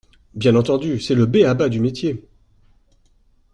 Bien entendu, c’est le b-a ba du métier.